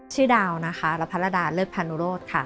ชื่อดาวน์ลภรรดาเลิฟพานุโรธ